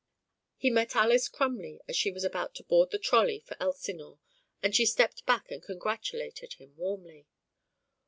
He met Alys Crumley as she was about to board the trolley for Elsinore, and she stepped back and congratulated him warmly.